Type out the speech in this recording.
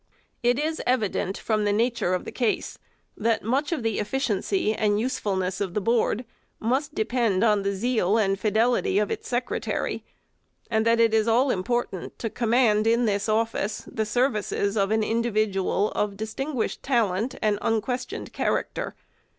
It is evident, from the nature of the case, that much of the efficiency and usefulness of the Board must depend on the zeal and fidelity of its Secretary, and that it is all important to command, in this office, the services of an individual of distinguished talent and unquestioned character.